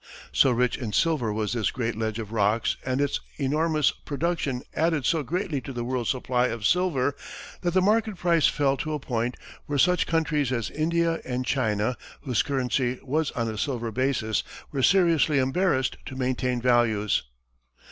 So rich in silver was this great ledge of rock and its enormous production added so greatly to the world's supply of silver that the market price fell to a point where such countries as India and China, whose currency was on a silver basis, were seriously embarrassed to maintain values.